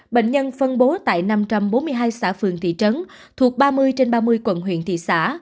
bệnh nhân phân bố tại năm trăm bốn mươi hai xã phường thị trấn thuộc ba mươi trên ba mươi quận huyện thị xã